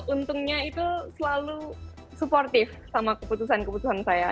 untungnya itu selalu supportif sama keputusan keputusan saya